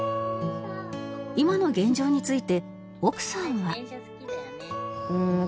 今の現状について奥さんは